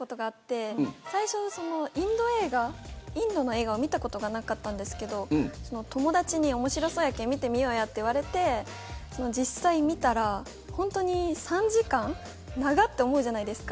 最初インド映画を見たことがなかったんですけど友達に面白そうやけん見てみようと言われて実際に見たら、本当に３時間長いと思うじゃないですか。